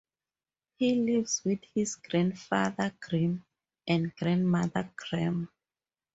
He lives with his grandfather, Grim, and grandmother, Gram.